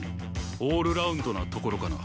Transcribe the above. オールラウンドなところかな。